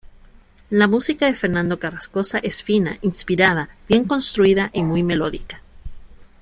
La música de Fernando Carrascosa es fina, inspirada, bien construida y muy melódica.